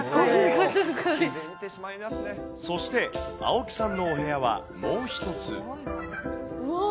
そして、青木さんのお部屋は、うわー。